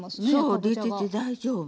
そう出てて大丈夫。